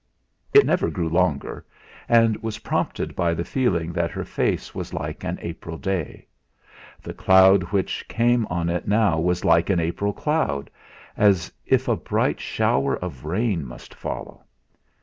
It never grew longer, and was prompted by the feeling that her face was like an April day. The cloud which came on it now was like an April cloud, as if a bright shower of rain must follow.